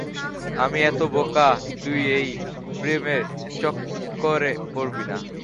আমি এত বোকা, তুই এই প্রেমের চক্করে পড়বি না।